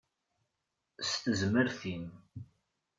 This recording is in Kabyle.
S tezmert-im.